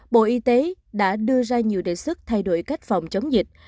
bộ y tế đã đưa ra nhiều đề xuất thay đổi cách phòng chống dịch